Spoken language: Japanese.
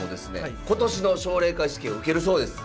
今年の奨励会試験を受けるそうです。